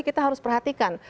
kita harus perhatikan